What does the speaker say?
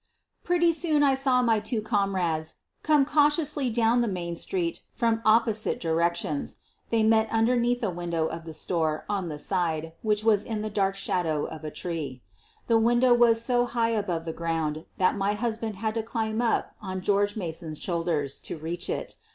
Pretty soon I saw my two comrades come cau tiously down the main street from opposite direc tions. They met underneath a window of the store on the side which was in the dark shadow of a tree. The window was so high above the ground that my husband had to climb up on George Mason's shoulders to reach it.